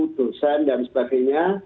dosen dan sebagainya